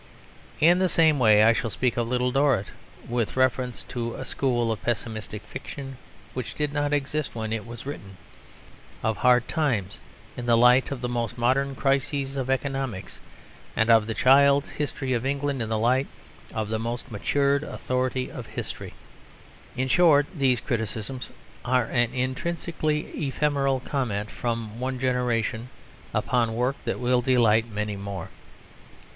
In the same way I shall speak of Little Dorrit, with reference to a school of pessimistic fiction which did not exist when it was written, of Hard Times in the light of the most modern crises of economics, and of The Child's History of England in the light of the most matured authority of history. In short, these criticisms are an intrinsically ephemeral comment from one generation upon work that will delight many more.